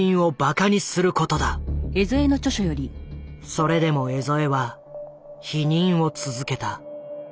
それでも江副は否認を続けた。